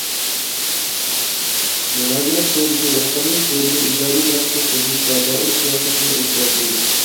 مۇلازىمەت سودىسى، رەقەملىك سودىنى ئىجادىي تەرەققىي قىلدۇرۇشقا دائىر سىياسەتنى ئوتتۇرىغا قويىمىز.